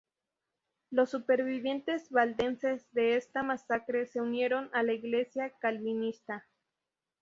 Los supervivientes valdenses de esta masacre se unieron a la iglesia calvinista.